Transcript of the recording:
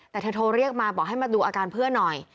แต่เธอโทรเรียกมาบอกให้มาดูอาการเพื่อนหน่อย